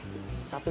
satu juta neng